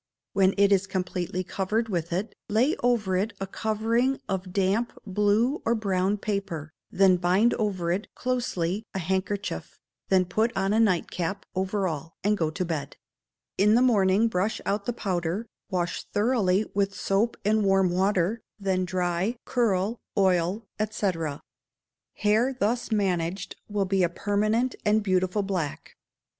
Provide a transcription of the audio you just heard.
When it is completely covered with it, lay over it a covering of damp blue or brown paper, then bind over it, closely, a hankerchief, then put on a night cap, over all, and go to bed; in the morning brush out the powder, wash thoroughly with soap and warm water, then dry, curl, oil, &c. Hair thus managed will be a permanent and beautiful black.